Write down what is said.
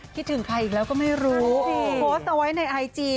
ถึงใครอีกแล้วก็ไม่รู้โพสต์เอาไว้ในไอจี